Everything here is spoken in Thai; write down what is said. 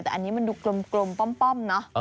แต่อันนี้มันดูกลมป้อมเนอะ